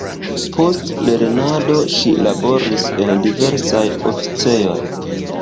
Post lernado ŝi laboris en diversaj oficejoj.